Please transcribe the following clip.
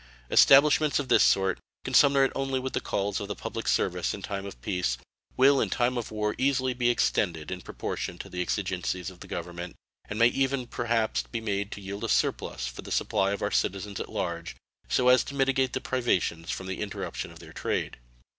Establishments of this sort, commensurate only with the calls of the public service in time of peace, will in time of war easily be extended in proportion to the exigencies of the Government, and may even perhaps be made to yield a surplus for the supply of our citizens at large, so as to mitigate the privations from the interruption of their trade.